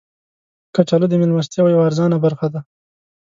کچالو د میلمستیاو یوه ارزانه برخه ده